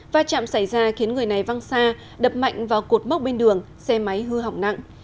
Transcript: va chạm xảy ra khiến người này văng xa đập mạnh vào cột mốc bên đường xe máy hư hỏng nặng